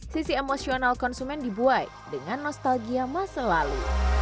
sisi emosional konsumen dibuai dengan nostalgia masa lalu